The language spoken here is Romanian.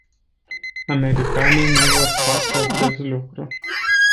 Americanii nu vor face acest lucru.